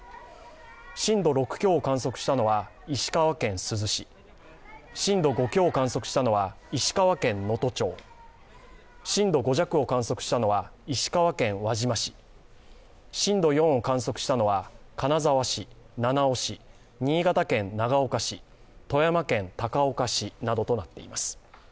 震度６強を観測したのは、石川県珠洲市震度５強を観測したのは石川県能登町、震度５弱を観測したのは石川県輪島市震度４を観測したのが金沢市、七尾市、新潟県長岡市富山県高岡市などとなっています。